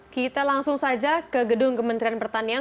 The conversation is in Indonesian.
kita langsung saja ke gedung kementerian pertanian